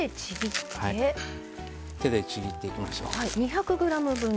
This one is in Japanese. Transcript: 手でちぎっていきましょう。